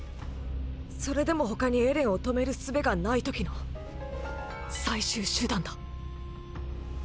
それでも他にエレンを止める術が無い時の最終手段だ。